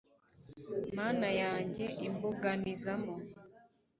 mana yanjye, imbuganizamo